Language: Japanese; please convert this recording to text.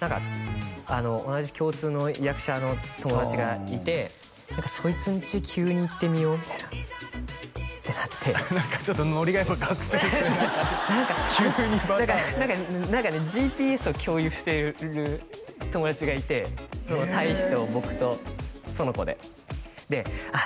何か同じ共通の役者の友達がいてそいつんち急に行ってみようみたいなってなって何かちょっとノリがやっぱ学生ですね何か急に何か何か何かねＧＰＳを共有している友達がいてへえ大志と僕とその子でであっ